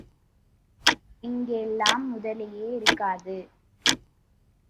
இங்கெல்லாம் முதலையே இருக்காது.